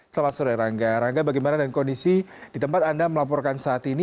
selamat sore rangga rangga bagaimana dengan kondisi di tempat anda melaporkan saat ini